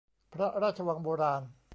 พระราชวังโบราณ